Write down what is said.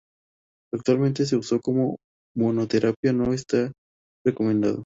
Actualmente su uso como monoterapia no está recomendado.